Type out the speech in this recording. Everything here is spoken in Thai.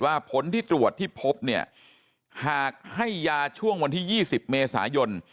ผลที่ตรวจที่พบเนี่ยหากให้ยาช่วงวันที่๒๐เมษายน